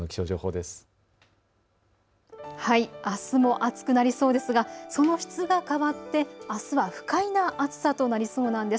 あすも暑くなりそうですがその質が変わって、あすは不快な暑さとなりそうなんです。